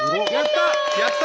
やった！